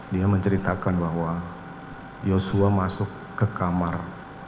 dia menceritakan bahwa yosua masuk ke kamar